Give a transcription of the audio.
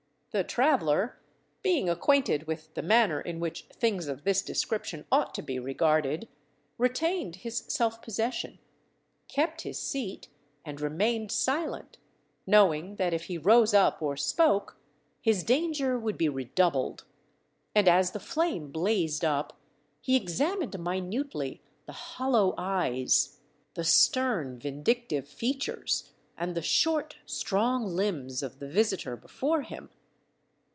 The traveller, being acquainted with the manner in which things of this description ought to be regarded, retained his self–possession, kept his seat, and remained silent, knowing that if he rose up or spoke, his danger would be redoubled, and as the flame blazed up he examined minutely the hollow eyes, the stern vindictive features, and the short, strong limbs of the visitor before him.